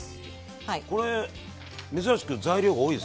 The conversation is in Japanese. これ珍しく材料が多いですね。